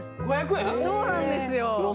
安っそうなんですよ